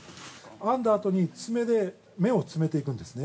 編んだあとに爪で目を詰めていくんですね。